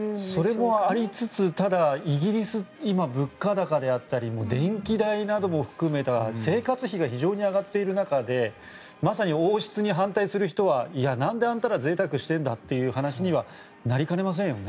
それもありつつただ、イギリスは今物価高であったり電気代なども含めて生活費が非常に上がっている中でまさに王室に反対する人は何であんたら贅沢しているんだという話にはなりかねませんよね。